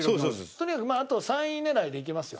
とにかくあと３位狙いでいきますよ。